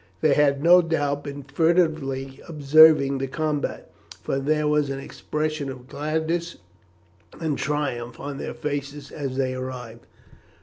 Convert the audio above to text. They had, no doubt, been furtively observing the combat, for there was an expression of gladness and triumph on their faces as they arrived.